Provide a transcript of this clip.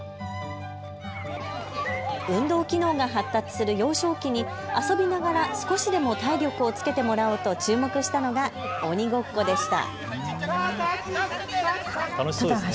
運動機能が発達する幼少期に遊びながら少しでも体力をつけてもらおうと注目したのが鬼ごっこでした。